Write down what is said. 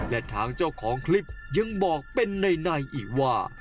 และทางเจ้าของคลิปยังบอกเป็นในอีกว่า